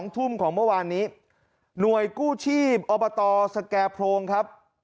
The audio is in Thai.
ทุ่มของเมื่อวานนี้หน่วยกู้ชีพอบตสแก่โพรงครับ